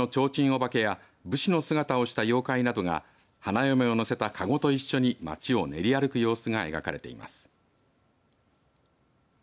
おばけや武士の姿をした妖怪などが花嫁を乗せたかごと一緒に町を練り歩く様子が描かれています。